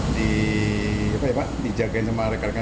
monitor posisi dan penerbangan sana berarti petugas airnaf ada di sana